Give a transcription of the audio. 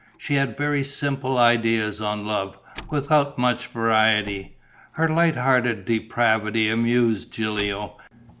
She had very simple ideas on love, without much variety. Her light hearted depravity amused Gilio.